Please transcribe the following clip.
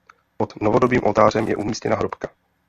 Pod novodobým oltářem je umístěna hrobka.